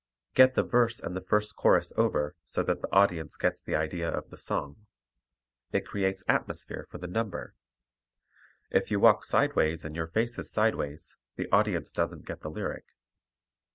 Get the verse and the first chorus over so that the audience gets the idea of the song. It creates atmosphere for the number. If you walk sideways and your face is sideways, the audience doesn't get the lyric.